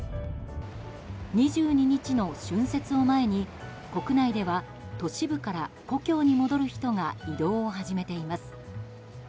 ２２日の春節を前に国内では都市部から故郷に戻る人が移動を始めています。